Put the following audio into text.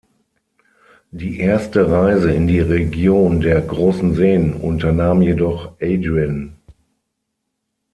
Die erste Reise in die Region der Großen Seen unternahm jedoch Adrien.